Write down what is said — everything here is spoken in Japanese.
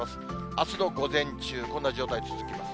あすの午前中、こんな状態続きます。